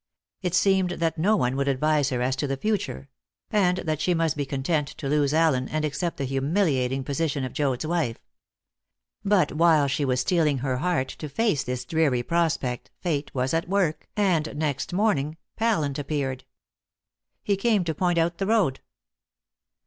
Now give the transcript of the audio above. It seemed that no one would advise her as to the future; and that she must be content to lose Allen, and accept the humiliating position of Joad's wife. But while she was steeling her heart to face this dreary prospect Fate was at work, and next morning Pallant appeared. He came to point out the road.